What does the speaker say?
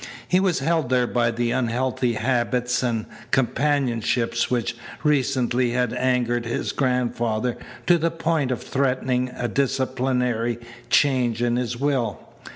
He was held there by the unhealthy habits and companionships which recently had angered his grandfather to the point of threatening a disciplinary change in his will.